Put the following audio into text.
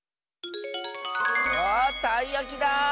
あたいやきだ！